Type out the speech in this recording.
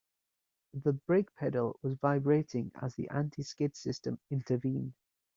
The brake pedal was vibrating as the anti-skid system intervened.